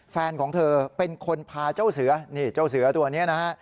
แฟนของเธอเป็นคนพาเจ้าเสือนี่เจ้าเสือตัวนี้นะฮะ